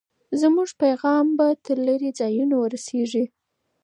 زموږ پیغام به تر لرې ځایونو ورسېږي.